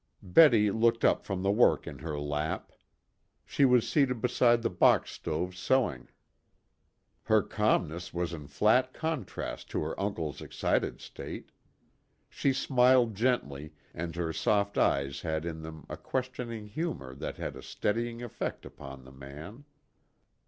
Betty looked up from the work in her lap. She was seated beside the box stove sewing. Her calmness was in flat contrast to her uncle's excited state. She smiled gently, and her soft eyes had in them a questioning humor that had a steadying effect upon the man.